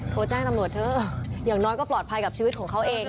โทรแจ้งตำรวจเถอะอย่างน้อยก็ปลอดภัยกับชีวิตของเขาเอง